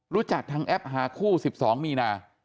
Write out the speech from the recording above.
รู้จักทางแอปหาคู่๑๒มีนา